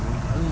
ở dịch dân